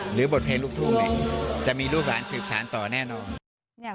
หรือบทเพลงลูกทุ่งจะมีลูกร้านสืบสารต่อแน่นอน